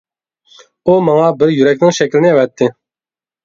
ئۇ ماڭا بىر يۈرەكنىڭ شەكلىنى ئەۋەتتى.